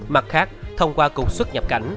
mặt khác thông qua cuộc xuất nhập cảnh